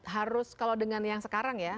harus kalau dengan yang sekarang ya